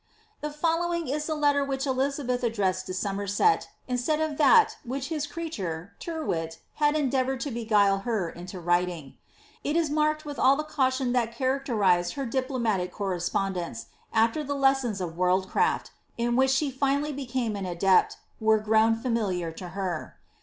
The following is the letter which Elizabeth addressed to Somerset, instead of that which his creature, Tyrwhit, had endeavoured to beguile her into writing. It is marked with all the caution that characterized her diplomatic correspondence, after the lessons of worldcrafi, in which fht finally became an adept, were grown familiar to her.